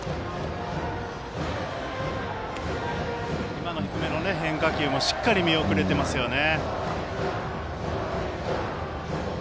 今の低めの変化球もしっかり見送れていますよね。